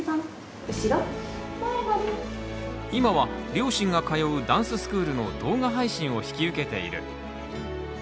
今は両親が通うダンススクールの動画配信を引き受けている。